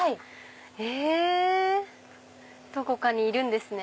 へぇどこかにいるんですね。